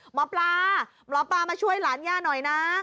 หมอปลาหมอปลามาช่วยหลานย่าหน่อยนะ